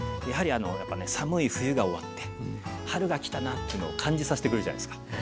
やはりあの寒い冬が終わって春が来たなっていうのを感じさせてくれるじゃないですか。